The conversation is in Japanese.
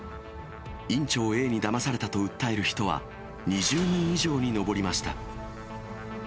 院長Ａにだまされたと訴える人は２０人以上に上りました。